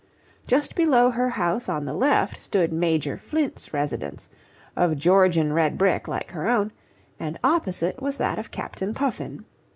Just below her house on the left stood Major Flint's residence, of Georgian red brick like her own, and opposite was that of Captain Puffin.